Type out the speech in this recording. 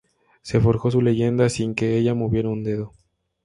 Se forjó su leyenda sin que ella moviera un dedo.